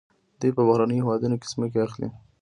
دوی په بهرنیو هیوادونو کې ځمکې اخلي.